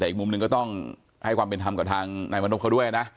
แต่อีกมุมหนึ่งก็ต้องให้ความเป็นธรรมกับทางนายมณพเขาด้วยนะ